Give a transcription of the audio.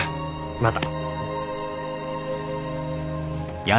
また。